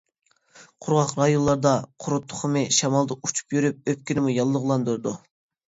قۇرغاق رايونلاردا قۇرت تۇخۇمى شامالدا ئۇچۇپ يۈرۈپ ئۆپكىنىمۇ ياللۇغلاندۇرىدۇ.